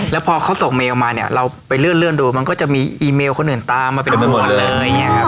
แล้วพอเขาส่งกันเราไปเลื่อนดูมันก็จะมีอีเมลคนอื่นตามทุกคนเลย